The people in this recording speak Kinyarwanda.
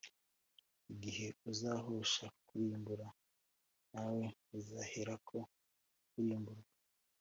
Igihe uzahosha kurimbura, nawe uzaherako urimburwa;